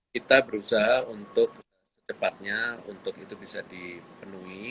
kita berusaha untuk secepatnya untuk itu bisa dipenuhi